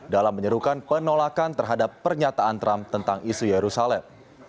dalam menyerukan penolakan terhadap pernyataan trump tentang isu yerusalem